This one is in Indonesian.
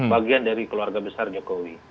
bagian dari keluarga besar jokowi